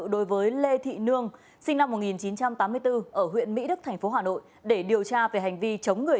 đối với lê thị nương sinh năm một nghìn chín trăm tám mươi bốn ở huyện mỹ đức thành phố hà nội để điều tra về hành vi chống người